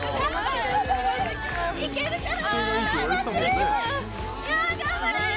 いけるから！